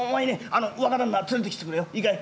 あの若旦那連れてきてくれよいいかい？